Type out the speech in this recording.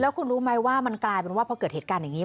คุณรู้ไหมว่ามันกลายเป็นว่าพอเกิดเหตุการณ์อย่างนี้